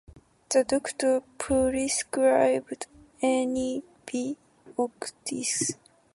The doctor prescribed antibiotics.